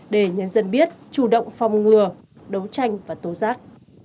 để nhân dân biết chủ động phòng ngừa đấu tranh và tố giác